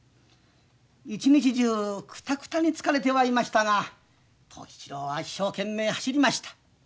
一日中くたくたに疲れてはいましたが藤吉郎は一生懸命走りました。